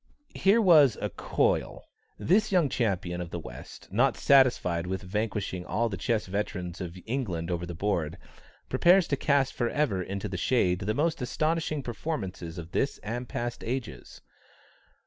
Here was "a coil;" this young champion of the West, not satisfied with vanquishing all the chess veterans of England over the board, prepares to cast for ever into the shade the most astonishing performances of this and past ages.